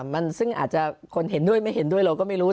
มันซึ่งอาจจะคนเห็นด้วยไม่เห็นด้วยเราก็ไม่รู้